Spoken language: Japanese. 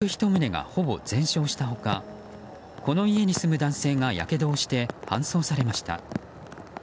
この火事で、住宅１棟がほぼ全焼した他この家に住む男性がやけどをして搬送されました。